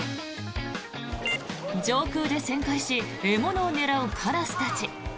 上空で旋回し獲物を狙うカラスたち。